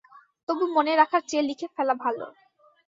তবু মনে রাখার চেয়ে লিখে ফেলা ভালো।